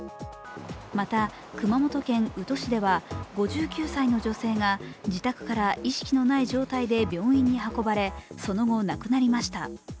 また、熊本県宇土市では５９歳の女性が自宅から意識のない状態で病院に運ばれ、その後、亡くなりました。